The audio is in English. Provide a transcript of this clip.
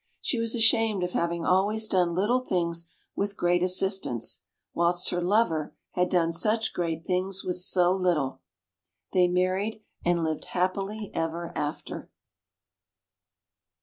She was ashamed of having always done little things with great assistance, whilst her lover had done such great things with so little. They married, and lived happily ever after.